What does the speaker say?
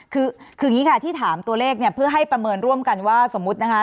คือคืออย่างนี้ค่ะที่ถามตัวเลขเนี่ยเพื่อให้ประเมินร่วมกันว่าสมมุตินะคะ